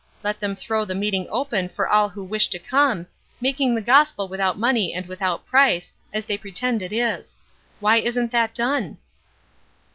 Let them throw the meeting open for all who wish to come, making the gospel without money and without price, as they pretend it is. Why isn't that done?"